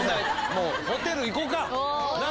もうホテルいこうかなっ？